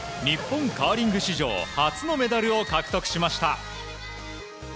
日本カーリング史上初のメダルを獲得しました。